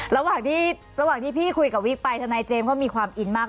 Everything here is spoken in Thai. ระหว่างที่พี่คุยกับวิ๊กไปธนายเจมส์ก็มีความอินมาก